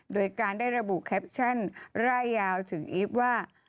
โดยการได้ระบุแคปชั่นร่ายยาวถึงอีฟว่า